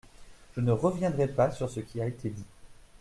Je ne reviendrai pas sur ce qui a été dit.